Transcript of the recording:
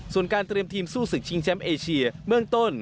ส่วนการเตรียมทีมสู้ศึกชิงแชมป์เอเชียเบื้องต้น